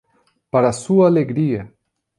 Para sua alegria!